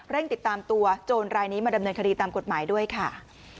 ติดตามตัวโจรรายนี้มาดำเนินคดีตามกฎหมายด้วยค่ะ